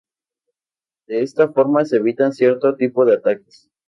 De esta forma se evitan cierto tipo de ataques.